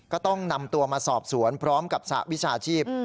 ก็ต้องนำตัวมาสอบสวนพร้อมกับสหวิชาชีพ